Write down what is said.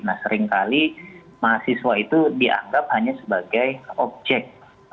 nah seringkali mahasiswa itu dianggap hanya sebagai objek